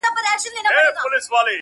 ځکه مي لمر ته وویل -